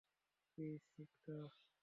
Please, সিটকা।